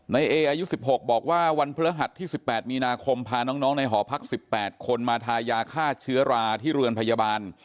ในเออายุ๑๖บอกว่าวันพฤหัสที่๑๘มีนาคมพาน้องในหอพัก๑๘คนมาทายาฆ่าเชื้อราที่เรือนพยาบาล